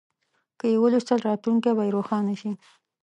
که یې ولوستل، راتلونکی به روښانه شي.